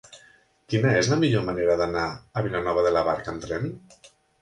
Quina és la millor manera d'anar a Vilanova de la Barca amb tren?